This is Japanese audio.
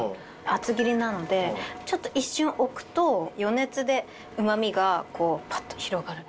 厚切りなのでちょっと一瞬置くと予熱でうま味がパッと広がる。